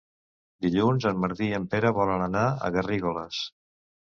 Dilluns en Martí i en Pere volen anar a Garrigoles.